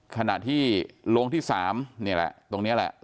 ขณะที่โรงที่๓นี่แหละตรงนี้แหละ